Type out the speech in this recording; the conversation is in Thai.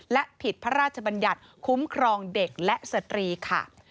และผิดพระราชบัญญัติคุ้มครองเด็กและสตรีค่ะ